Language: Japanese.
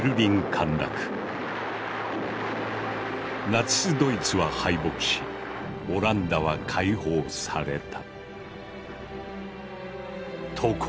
ナチスドイツは敗北しオランダは解放された。